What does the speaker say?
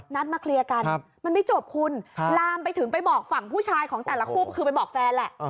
นัดมาเคลียร์กันมันไม่จบคุณลามไปถึงไปบอกฝั่งผู้ชายของแต่ละคู่คือไปบอกแฟนแหละ